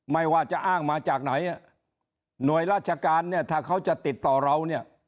ไม่ว่าจะอ้างมาจากไหนหน่วยราชการเนี่ยถ้าเขาจะติดต่อเราเนี่ย